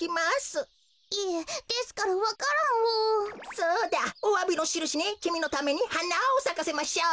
そうだおわびのしるしにきみのためにはなをさかせましょう。